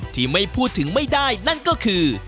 ที่ไม่พูดถึงไม่ได้นั่นก็คือ